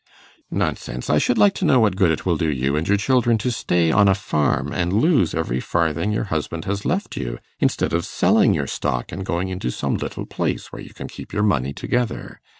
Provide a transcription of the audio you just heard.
'Nonsense! I should like to know what good it will do you and your children to stay on a farm and lose every farthing your husband has left you, instead of selling your stock and going into some little place where you can keep your money together.